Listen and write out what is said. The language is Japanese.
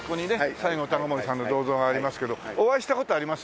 西郷隆盛さんの銅像がありますけどお会いした事あります？